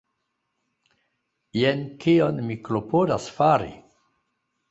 Jen kion mi klopodas fari.